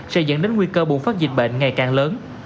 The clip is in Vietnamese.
sẽ dẫn đến nguy cơ bùng phát dịch bệnh ngày càng lớn